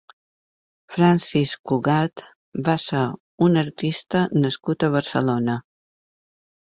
Francis Cugat va ser un artista nascut a Barcelona.